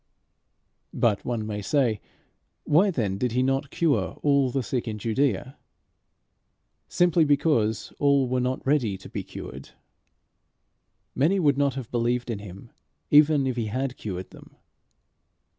But one may say: Why then did he not cure all the sick in Judæa? Simply because all were not ready to be cured. Many would not have believed in him if he had cured them.